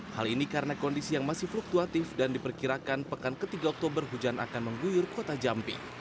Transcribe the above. hal ini karena kondisi yang masih fluktuatif dan diperkirakan pekan ketiga oktober hujan akan mengguyur kota jambi